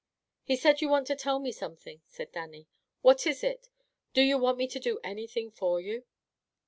"He said ye wanted to tell me something," said Dannie. "What is it? Do you want me to do anything for you?"